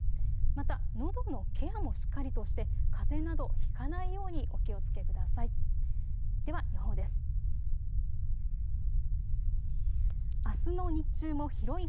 また、のどのケアもしっかりとしてかぜなどひかないようにお気をつけください。